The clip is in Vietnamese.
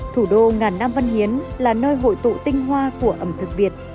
thủ đô ngàn nam văn hiến là nơi hội tụ tinh hoa của ẩm thực việt